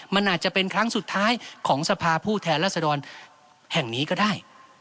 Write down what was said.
มันอาจจะเป็นครั้งสุดท้ายของสภาผู้แทนรัศดรแห่งนี้ก็ได้